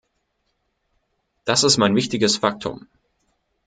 Das ist ein wichtiges Faktum.